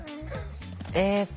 えっと